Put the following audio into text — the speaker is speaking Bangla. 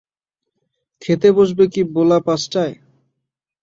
খেতে বসবে কি বোলা পাঁচটায়?